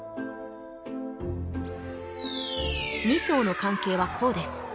２艘の関係はこうです